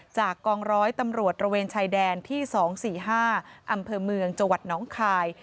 จากกองร้อยตำรวจระเวนชายแดนที่๒๔๕อำเภอเมืองจังหวัดน้องคาย